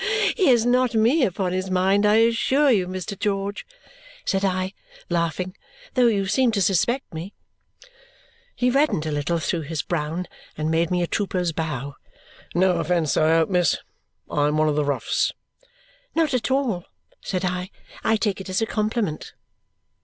"He has not me upon his mind, I assure you, Mr. George," said I, laughing, "though you seem to suspect me." He reddened a little through his brown and made me a trooper's bow. "No offence, I hope, miss. I am one of the roughs." "Not at all," said I. "I take it as a compliment."